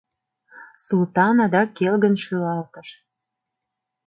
— Султан адак келгын шӱлалтыш.